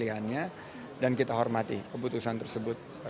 saya berharap untuk menentukan pilihan dan kita hormati keputusan tersebut